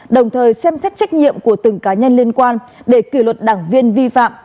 đồng thời xem xét trách nhiệm của từng cá nhân liên quan để kỷ luật đảng viên vi phạm